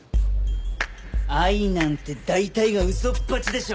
愛なんて大体が嘘っぱちでしょ。